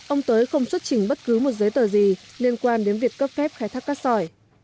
ông tới không xuất trình bất cứ một giấy tờ gì liên quan đến việc cấp phép khai thác cát sỏi